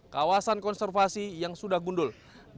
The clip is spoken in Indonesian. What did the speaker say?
kawasan konservasi yang sudah gundul